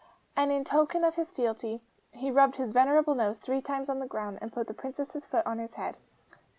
And in token of his fealty, he rubbed his venerable nose three times on the ground, and put the Princess's foot on his head.